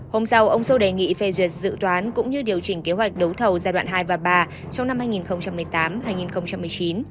hôm sau ông sô đề nghị phê duyệt dự toán cũng như điều chỉnh kế hoạch đấu thầu giai đoạn hai và ba trong năm hai nghìn một mươi tám hai nghìn một mươi chín